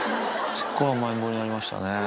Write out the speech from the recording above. すっごい甘えん坊になりましたね。